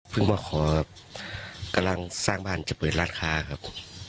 เพิ่งมาขอกำลังสร้างบ้านจะเปิดราคาครับ